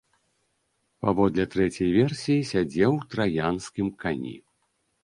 Паводле трэцяй версіі, сядзеў у траянскім кані.